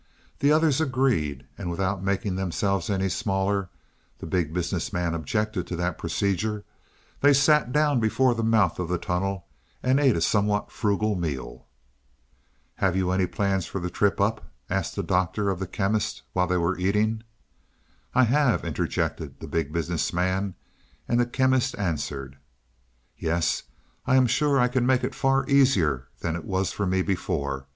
The others agreed, and without making themselves any smaller the Big Business Man objected to that procedure they sat down before the mouth of the tunnel and ate a somewhat frugal meal. "Have you any plans for the trip up?" asked the Doctor of the Chemist while they were eating. "I have," interjected the Big Business Man, and the Chemist answered: "Yes, I am sure I can make it far easier than it was for me before.